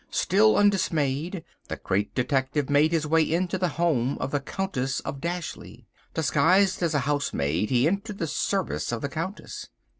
Still undismayed, the Great Detective made his way into the home of the Countess of Dashleigh. Disguised as a housemaid, he entered the service of the Countess.